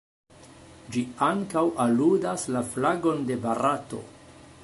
Ĝi ankaŭ aludas la flagon de Barato.